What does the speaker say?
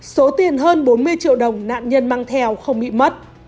số tiền hơn bốn mươi triệu đồng nạn nhân mang theo không bị mất